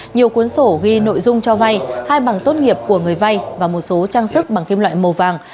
nhiều cuốn sổ ghi nội dung cho vay hai bằng tốt nghiệp của người vay và một số trang sức bằng kim loại màu vàng